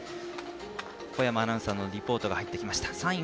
小山アナウンサーのリポートが入ってきました。